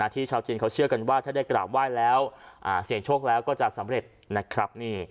ชาวจีนเขาเชื่อกันว่าถ้าได้กราบไหว้แล้วเสี่ยงโชคแล้วก็จะสำเร็จนะครับ